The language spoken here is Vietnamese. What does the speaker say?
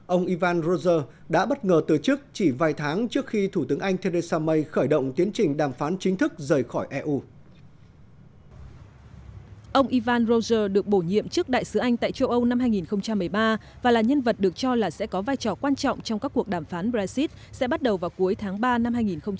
ông ivan roger được bổ nhiệm trước đại sứ anh tại châu âu năm hai nghìn một mươi ba và là nhân vật được cho là sẽ có vai trò quan trọng trong các cuộc đàm phán brexit sẽ bắt đầu vào cuối tháng ba năm hai nghìn một mươi bảy